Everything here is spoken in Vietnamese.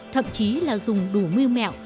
thậm chí là dùng đủ mưu mẹo